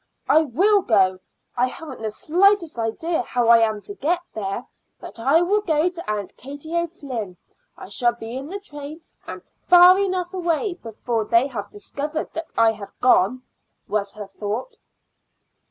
"I will go. I haven't the slightest idea how I am to get there, but I will go to Aunt Katie O'Flynn. I shall be in the train and far enough away before they have discovered that I have gone," was her thought.